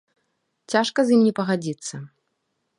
Цяжка з ім не пагадзіцца.